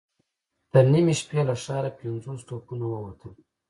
تر نيمې شپې له ښاره پنځوس توپونه ووتل.